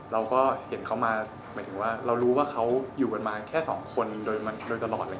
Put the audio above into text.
เราก็เห็นเขามาเรารู้ว่าเขาอยู่กันมาแค่สองคนโดยตลอด